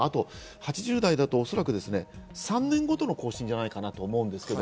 ８０代だとおそらく３年ごとの更新じゃないかなと思うんですけど。